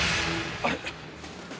あれ？